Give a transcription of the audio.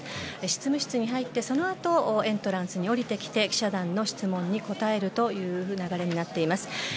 執務室に入って、そのあとエントランスに下りてきて記者団の質問に答えるという流れになっています。